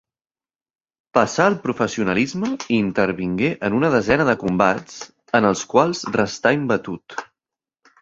Passà al professionalisme i intervingué en una desena de combats en els quals restà imbatut.